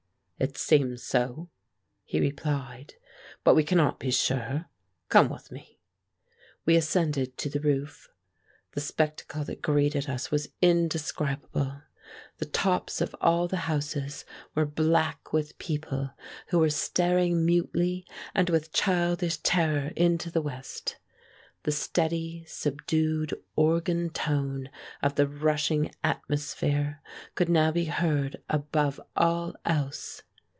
"It seems so," he replied. "But we cannot be sure. Come with me." We ascended to the roof. The spectacle that greeted us was indescribable. The tops of all the houses were black with people, who were staring mutely and with childish terror into the West. The steady, subdued organ tone of the rushing atmosphere could now be heard above all else.